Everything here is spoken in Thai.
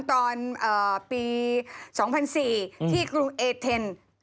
ตอนปี๒๐๐๔ที่กรุงเอเทน